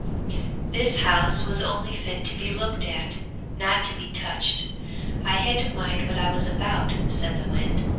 _] 'This house was only fit to be looked at, not to be touched. I had to mind what I was about,' said the wind.